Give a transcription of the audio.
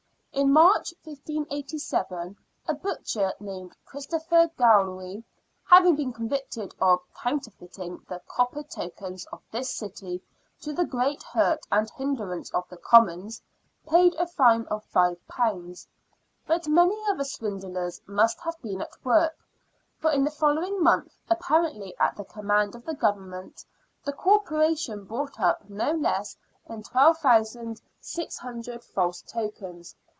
In March, 1587, a butcher named Christopher Gallwey, having been convicted of " counterfeiting the copper tokens of this city to the great hurt and hindrance of the commons," paid a fine of £5. But many other swindlers must have been at work, for in the following month, apparently at the command of the Government, the Corporation bought up no less than 12,600 false tokens.